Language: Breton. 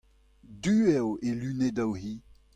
Du eo he lunedoù-hi.